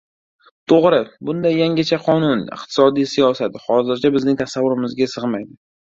— To‘g‘ri, bunday yangicha qonun, iqtisodiy siyosat, hozircha bizning tasavvurimizga sig‘maydi.